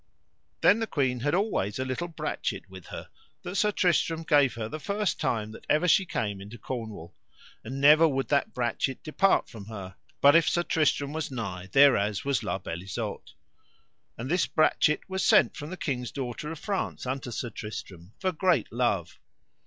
Then the queen had always a little brachet with her that Sir Tristram gave her the first time that ever she came into Cornwall, and never would that brachet depart from her but if Sir Tristram was nigh thereas was La Beale Isoud; and this brachet was sent from the king's daughter of France unto Sir Tristram for great love.